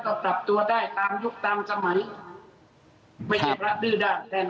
ก็ปรับตัวได้ตามยุคตามสมัยไม่ใช่พระดื้อด้าน